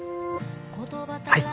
はい！